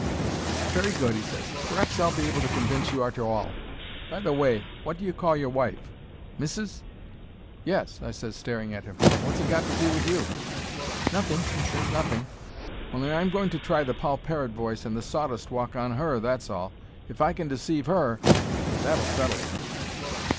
"Very good," he ses; "p'r'aps I'll be able to convince you arter all. By the way, wot do you call your wife? Missis?" "Yes," I ses, staring at him. "But wot's it got to do with you?" "Nothing," he ses. "Nothing. Only I'm going to try the poll parrot voice and the sawdust walk on her, that's all. If I can deceive 'er that'll settle it."